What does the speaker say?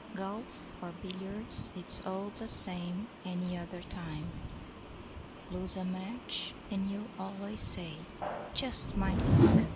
Golf or billiards, it's all the same Any other time. Lose a match and you always say, 'Just my luck!